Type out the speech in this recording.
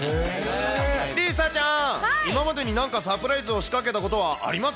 梨紗ちゃん、今までになんかサプライズを仕掛けたことはあり